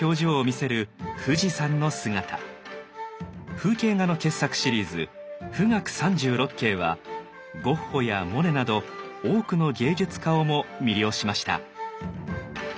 風景画の傑作シリーズ「冨嶽三十六景」はゴッホやモネなど多くの芸術家をも魅了しました。